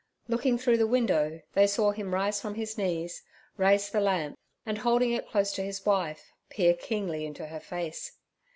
Looking through the window, they saw him rise from his knees, raise the lamp, and holding it close to his wife, peer keenly into her face.